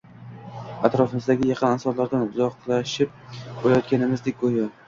atrofimizdagi yaqin insonlardan uzoqlashib borayotgandekmiz go‘yo.